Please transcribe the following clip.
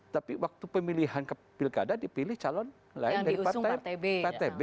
tapi waktu pemilihan ke pilkada dipilih calon yang diusung partai b